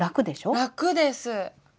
楽です。